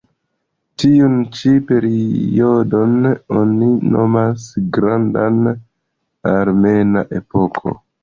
Tiun ĉi periodon oni nomas "Granda Armena Epoko".